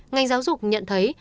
ngành giáo dục nhận thấy